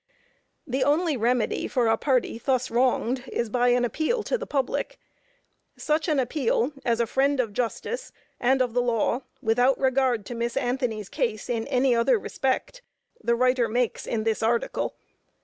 The only remedy for a party thus wronged is by an appeal to the public. Such an appeal, as a friend of justice and of the law, without regard to Miss Anthony's case in any other aspect, the writer makes in this article.